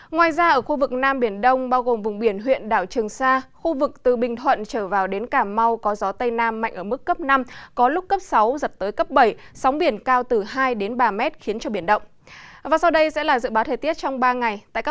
ngoài ra ở khu vực nam biển đông bao gồm vùng biển huyện đảo trường sa khu vực từ bình thuận trở vào đến cà mau có gió tây nam mạnh ở mức cấp bảy sóng biển cao từ hai ba m khiến cho biển động